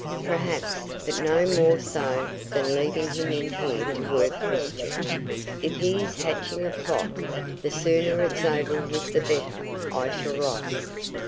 "Perhaps, but no more so than leaving him in here to work mischief. If he is hatching a plot, the sooner it's over with the better I shall like it.